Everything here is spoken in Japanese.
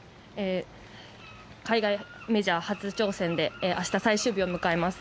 海外メジャー初挑戦で明日、最終日を迎えます。